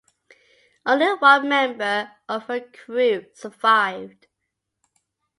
Only one member of her crew survived.